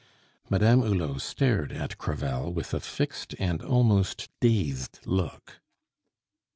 Madame Hulot stared at Crevel with a fixed and almost dazed look.